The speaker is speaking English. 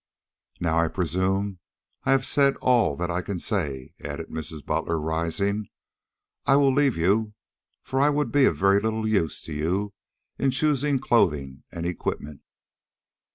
"Now, I presume, I have said all that I can say," added Mrs. Butler, rising. "I will leave you, for I would be of very little use to you in choosing clothing and equipment."